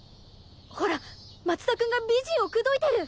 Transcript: ほら松田君が美人を口説いてる。